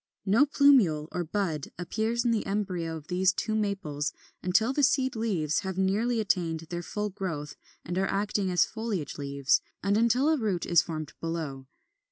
No plumule or bud appears in the embryo of these two Maples until the seed leaves have nearly attained their full growth and are acting as foliage leaves, and until a root is formed below.